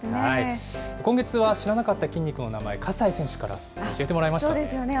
今月は知らなかった筋肉の名前、葛西選手から教えてもらいましたね。